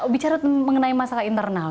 bicara mengenai masalah internal